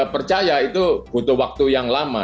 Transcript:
percaya itu butuh waktu yang lama